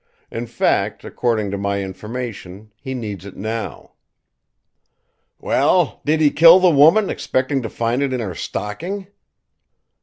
In fact, according to my information, he needs it now." "Well, did he kill the woman, expecting to find it in her stocking?"